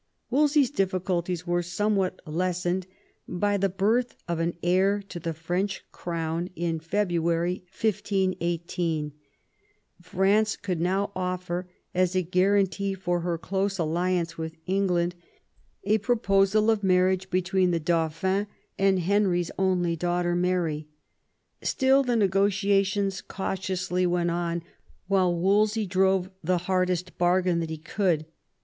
Wolsey's difficulties were somewhat lessened by the birth of an heir to the French Crown in February 1518. France could now offer, as a guarantee for her close alliance with England, a proposal of marriage between the Dauphin and Henry's only daughter Mary. Still the negotiations cautiously went on while Wolsey drove the hardest bargain that he could.